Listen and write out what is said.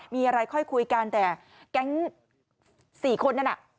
มีอะไรค่อยคุยกันแต่แก๊ง๔คนนั่นน่ะ